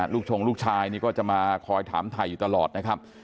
ชงลูกชายนี่ก็จะมาคอยถามถ่ายอยู่ตลอดนะครับ